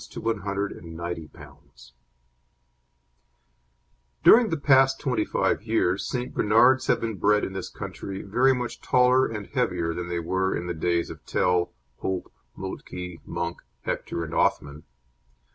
During the past twenty five years St. Bernards have been bred in this country very much taller and heavier than they were in the days of Tell, Hope, Moltke, Monk, Hector, and Othman.